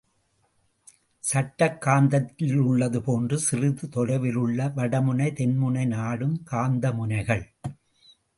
சட்டக் காந்தத்திலுள்ளது போன்று சிறிது தொலைவிலுள்ள வடமுனை தென்முனை நாடும் காந்த முனைகள்.